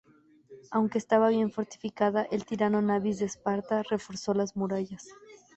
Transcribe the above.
Aunque estaba bien fortificada el tirano Nabis de Esparta reforzó las murallas.